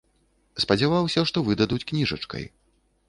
Спадзяваўся, што выдадуць кніжачкай.